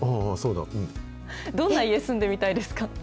どんな家、住んでみたいですか？